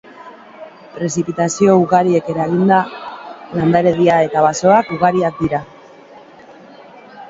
Prezipitazio ugariek eraginda, landaredia eta basoak ugariak dira.